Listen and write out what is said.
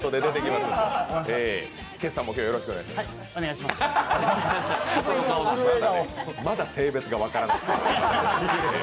まだ性別が分からない。